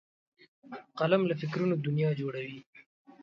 قلم له فکرونو دنیا جوړوي